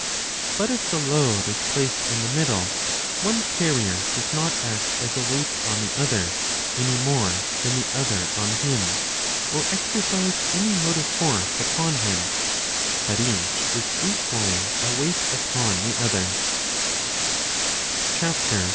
But if the load is placed in the middle, one carrier does not act as a weight on the other any more 20 than the other on him, or exercise any motive force upon him, but each is equally a weight upon the other.